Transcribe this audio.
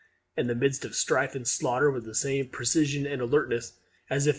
In the midst of strife and slaughter with the same precision and alertness as if upon parade.